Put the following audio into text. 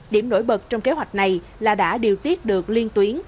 điểm nổi bật trong kế hoạch này là đã điều tiết được liên tuyến